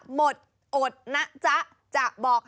แต่ว่าก่อนอื่นเราต้องปรุงรสให้เสร็จเรียบร้อย